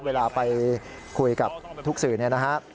เวลาไปคุยกับทุกสื่อนะครับ